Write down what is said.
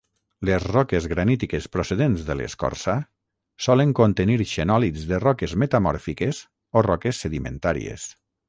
Les roques granítiques procedents de l'escorça, solen contenir xenòlits de roques metamòrfiques o roques sedimentàries.